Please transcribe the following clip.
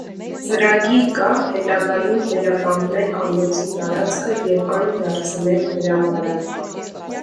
Ծրագիր կա՝ հետագայում վերականգնել ամրոցի տարածքը և այն դարձնել հրապարակ։